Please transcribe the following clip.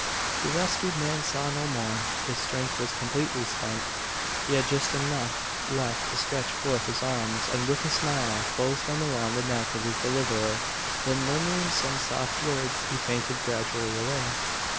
The rescued man saw no more. His strength was completely spent. He had just enough left to stretch forth his arms, and with a smile close them around the neck of his deliverer. Then, murmuring some soft words, he fainted gradually away.